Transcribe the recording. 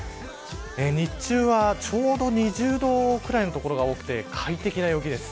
日中はちょうど２０度くらいの所が多くて快適な陽気です。